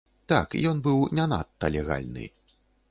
Так, ён быў не надта легальны.